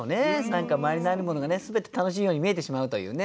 何か周りにあるものがね全て楽しいように見えてしまうというね。